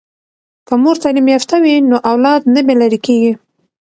که مور تعلیم یافته وي نو اولاد نه بې لارې کیږي.